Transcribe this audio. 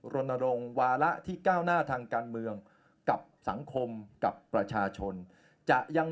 รณรงค์วาระที่ก้าวหน้าทางการเมืองกับสังคมกับประชาชนจะยัง